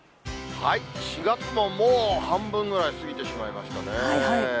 ４月ももう半分ぐらい過ぎてしまいましたね。